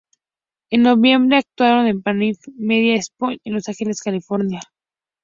En noviembre, actuaron en la Pacific Media Expo en Los Angeles, California.